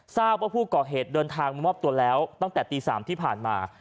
ทราบว่าผู้ก่อเหตุเดินทางมามอบตัวแล้วตั้งแต่ตี๓ที่ผ่านมา